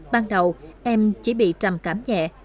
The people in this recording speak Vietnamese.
ban đầu em chỉ bị trầm cảm nhẹ